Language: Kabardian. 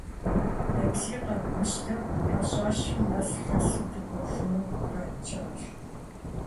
Такси къэдмыщтэу хьэщӀэщым нэс лъэсу дыкӏуэжыну мурад тщӀащ.